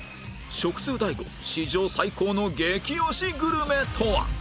食通 ＤＡＩＧＯ 史上最高の激推しグルメとは？